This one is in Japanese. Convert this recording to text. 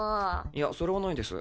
いやそれはないです。